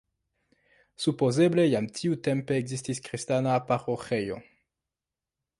Supozeble jam tiutempe ekzistis kristana paroĥejo.